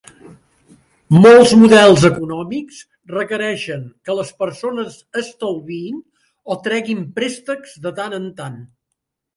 Molts models econòmics requereixen que les persones estalviïn o treguin préstecs de tant en tant.